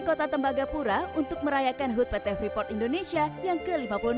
kota tembagapura untuk merayakan hut pt freeport indonesia yang ke lima puluh enam